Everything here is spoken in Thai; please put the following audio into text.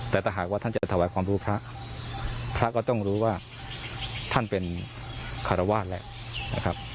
แต่ถ้าหากว่าท่านจะถวายความรู้พระพระก็ต้องรู้ว่าท่านเป็นคารวาสแล้วนะครับ